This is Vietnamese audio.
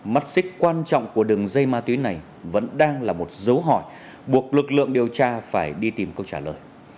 mắt xích quan trọng của đường dây ma túy này vẫn đang là một dấu hỏi buộc lực lượng điều tra phải đi tìm câu trả lời